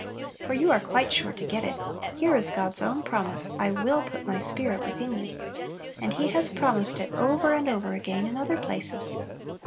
For you are quite sure to get it; here is God's own promise, "I will put my Spirit within you;" and He has promised it over and over again in other places.